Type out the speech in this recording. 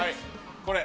これ。